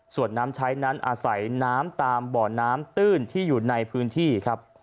ส่วนน้ำใช้นั้นอาศัยน้ำตามบ่อน้ำตื้นที่อยู่ในพื้นที่ครับ